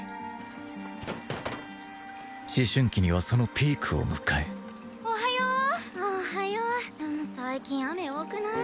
思春期にはそのピークを迎えおはようあっおはよう最近雨多くない？